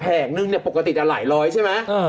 นึงเนี่ยปกติจะหลายร้อยใช่ไหม